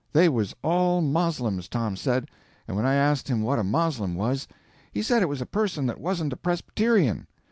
They was all Moslems, Tom said, and when I asked him what a Moslem was, he said it was a person that wasn't a Presbyterian.